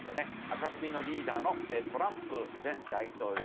赤組のリーダーのトランプ前大統領。